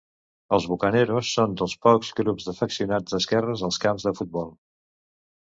Els “bukaneros” són dels pocs grups d’afeccionats d’esquerres als camps de futbol.